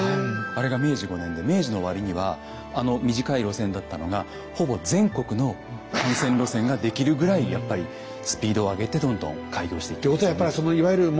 あれが明治５年で明治の終わりにはあの短い路線だったのがほぼ全国の幹線路線が出来るぐらいやっぱりスピードを上げてどんどん開業していったんですよね。